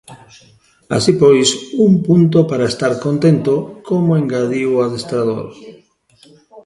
Así pois, un punto para estar contento, como engadiu o adestrador.